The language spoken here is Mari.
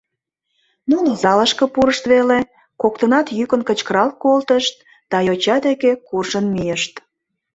Нуно залышке пурышт веле, коктынат йӱкын кычкырал колтышт да йоча деке куржын мийышт.